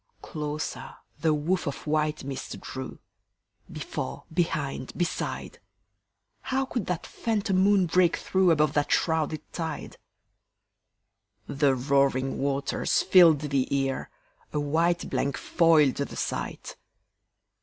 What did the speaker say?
Closer the woof of white mist drew, Before, behind, beside. How could that phantom moon break through, Above that shrouded tide? The roaring waters filled the ear, A white blank foiled the sight.